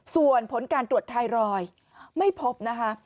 ส่วนผลการตรวจไทรอยด์ไม่พบนะคะ